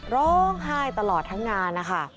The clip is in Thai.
ร้องไห้ตลอดทั้งงานนะคะ